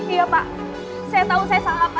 iya pak saya tahu saya salah pak